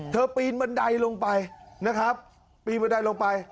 ปีนบันไดลงไปนะครับปีนบันไดลงไป